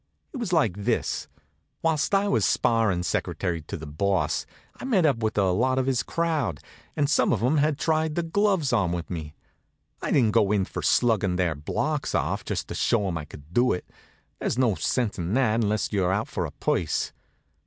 It was like this: Whilst I was sparrin' secretary to the Boss I'd met up with a lot of his crowd, and some of 'em had tried the gloves on with me. I didn't go in for sluggin' their blocks off, just to show 'em I could do it. There's no sense in that, unless you're out for a purse.